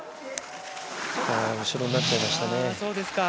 後ろになっちゃいましたね。